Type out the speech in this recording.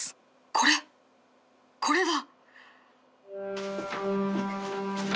これこれだ！